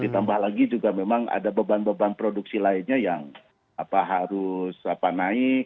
ditambah lagi juga memang ada beban beban produksi lainnya yang harus naik